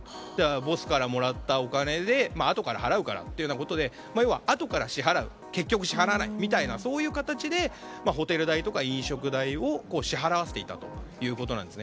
ボスからもらったお金であとから払うからというようなことで要はあとから支払う結局、支払わないみたいな形でそういう形でホテル代とか飲食代を支払わせていたということです。